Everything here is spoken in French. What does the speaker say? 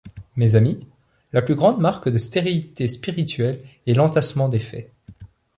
Mes amis, la plus grande marque de stérilité spirituelle est l’entassement des faits.